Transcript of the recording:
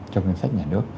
trong ngân sách nhà nước